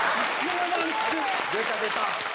出た出た！